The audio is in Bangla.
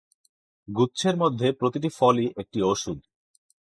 গুচ্ছের মধ্যে প্রতিটি ফলই একটি ওষুধ।